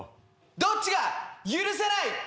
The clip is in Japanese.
「どっちが許せない！？